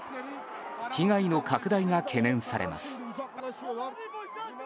被害の拡大が懸念されます。